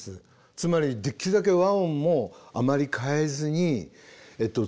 つまりできるだけ和音もあまり変えずに作ろう。